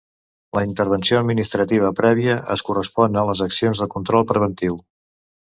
La intervenció administrativa prèvia es correspon a les accions de control preventiu.